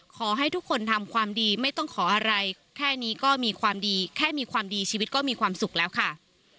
ขอให้ทุกคนทำความดีไม่ต้องขออะไรแค่นี้ก็มีความดีแค่มีความดีชีวิตก็มีความสุขแล้วค่ะ